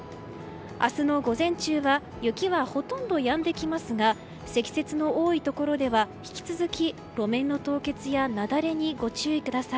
明日の午前中は雪はほとんどやんできますが積雪の多いところでは引き続き路面の凍結や雪崩にご注意ください。